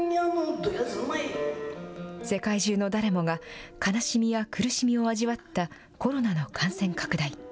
世界中の誰もが悲しみや苦しみを味わったコロナの感染拡大。